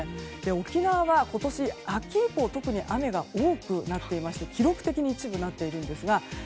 沖縄は、今年秋以降特に雨が多くなっていまして記録的に一部、なっているんですが。